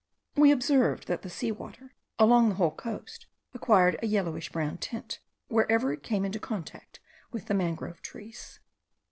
We observed that the sea water, along the whole coast, acquired a yellowish brown tint, wherever it came into contact with the mangrove trees.